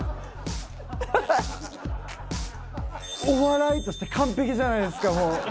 お笑いとして完璧じゃないですか、もう。